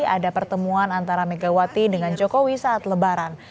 ada pertemuan antara megawati dengan jokowi saat lebaran